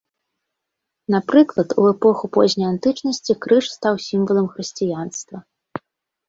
Напрыклад, у эпоху позняй антычнасці крыж стаў сімвалам хрысціянства.